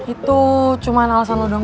itu cuman alasan lu dong